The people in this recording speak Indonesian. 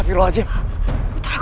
bidu batu tangan